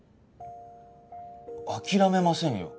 諦めませんよ。